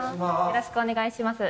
よろしくお願いします